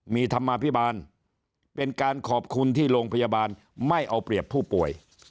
มีธรรมาภิบาลเป็นการขอบคุณที่โรงพยาบาลไม่เอาเปรียบผู้ป่วย